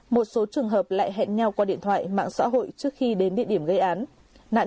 một số trường hợp lại hẹn nhau qua điện thoại mạng xã hội trước khi đến địa điểm gây án